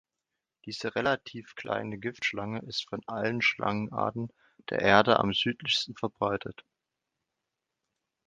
Diese relativ kleine Giftschlange ist von allen Schlangenarten der Erde am südlichsten verbreitet.